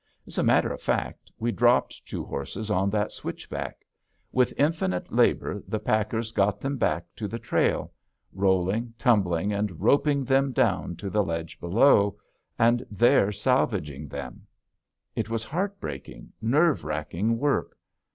As a matter of fact, we dropped two horses on that switchback. With infinite labor the packers got them back to the trail, rolling, tumbling, and roping them down to the ledge below, and there salvaging them. It was heart breaking, nerve racking work.